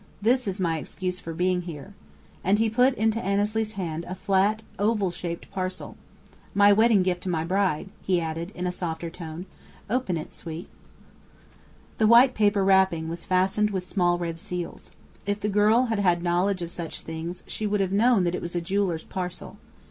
This is my excuse for being here," and he put into Annesley's hand a flat, oval shaped parcel. "My wedding gift to my bride," he added, in a softer tone. "Open it, sweet." The white paper wrapping was fastened with small red seals. If the girl had had knowledge of such things she would have known that it was a jeweller's parcel.